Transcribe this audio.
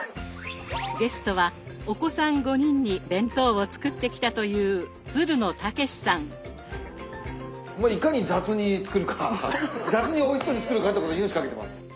ゲストはお子さん５人に弁当を作ってきたといういかに雑に作るか雑においしそうに作るかってことに命懸けてます。